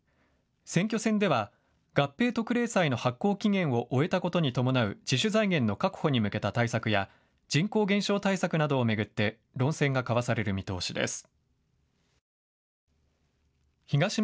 選挙戦では、合併特例債の発行期限を終えたことに伴う自主財源の確保に向けた対策や人口減少対策などを巡って論戦が交わされる見通しです。